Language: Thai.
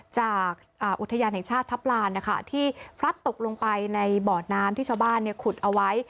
จากอุทยานแห่งชาติทัพลานนะคะที่พลัดตกลงไปในบ่อน้ำที่ชาวบ้านขุดเอาไว้